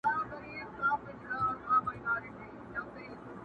یو څه بېخونده د ده بیان دی٫